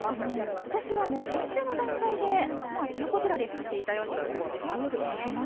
ことしはもう先週の段階でもうあちらこちらで咲いていたように感じますね。